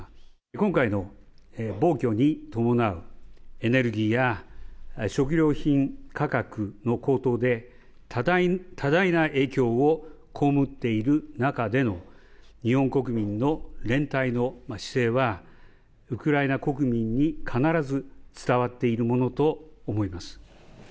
今回の暴挙に伴うエネルギーや食料品価格の高騰で、多大な影響を被っている中での、日本国民の連帯の姿勢は、ウクライナ国民に必ず伝わっているものと思います。